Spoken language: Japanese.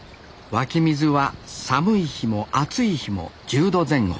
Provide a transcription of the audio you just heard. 湧き水は寒い日も暑い日も１０度前後。